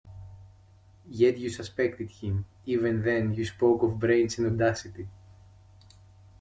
Yet you suspected him — even then you spoke of brains and audacity.